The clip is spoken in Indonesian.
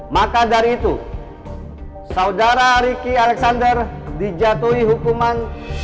maka dari itu saudara riki alexander dijatuhi hukuman